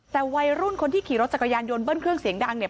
แต่วัยรุ่นคนที่ขี่รถจักรยานยนต์เบิ้ลเครื่องเสียงดังเนี่ย